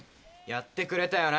やってくれたよなぁ。